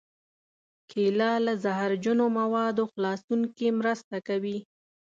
کېله له زهرجنو موادو خلاصون کې مرسته کوي.